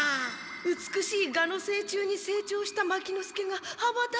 美しいガの成虫に成長した牧之介が羽ばたいた！